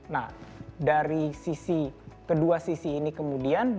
nah dari sisi kedua sisi ini kemudian